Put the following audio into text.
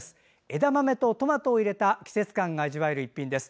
枝豆とトマトを入れた季節感が味わえる一品です。